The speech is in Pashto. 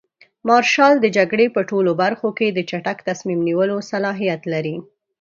مارشال د جګړې په ټولو برخو کې د چټک تصمیم نیولو صلاحیت لري.